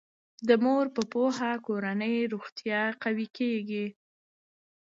د مور په پوهه کورنی روغتیا قوي کیږي.